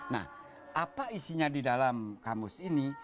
nah apa isinya di dalam kamus ini